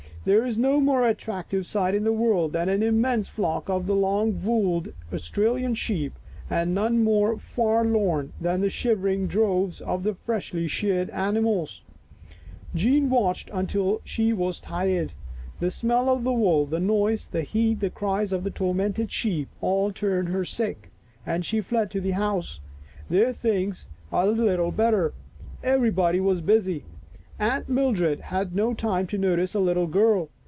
There is no more attractive sight in the world than an immense flock of the long wooled Australian sheep, and none more forlorn than the shivering droves of freshly sheared animals. "Lost!" 71 Jean watched until she was tired. The smell of the wool, the noise, the heat, the cries of the tormented sheep, all turned her sick, and she fled to the house. There things were little better. Everybody was busy. Aunt Mildred had no time to notice a little girl.